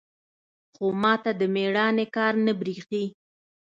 خو ما ته د ميړانې کار نه بريښي.